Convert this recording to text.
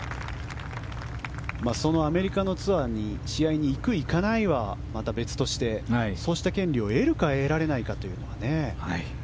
そのアメリカのツアーに試合に行く行かないはまた別として、そうした権利を得るか得られないかはね。